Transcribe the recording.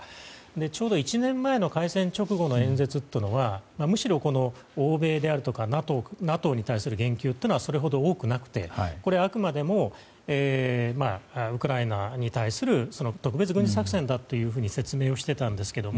ちょうど１年前の開戦直後の演説というのはむしろ、欧米であるとかＮＡＴＯに対する言及というのはそれほど多くなくてこれはあくまでもウクライナに対する特別軍事作戦だと説明をしていたんですけれども。